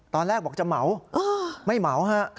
ตอนแรกบอกจะเหมาไม่เหมาฮะ